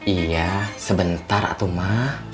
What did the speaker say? iya sebentar aduh ma